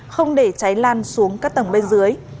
không để cháy lan xuống các tầng bên dưới